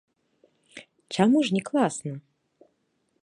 Чаму ж не класна?